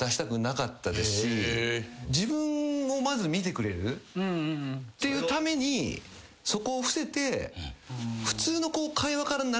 自分をまず見てくれるっていうためにそこを伏せて。